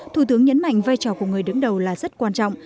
thủ tướng nhấn mạnh vai trò của người đứng đầu là rất quan trọng